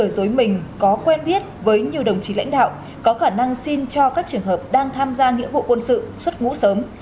dối mình có quen biết với nhiều đồng chí lãnh đạo có khả năng xin cho các trường hợp đang tham gia nghĩa vụ quân sự xuất ngũ sớm